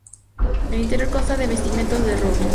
El interior consta de revestimientos de roble.